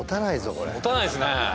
これもたないっすね